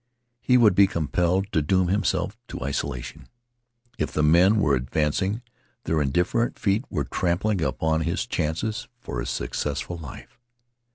He would be compelled to doom himself to isolation. If the men were advancing, their indifferent feet were trampling upon his chances for a successful life.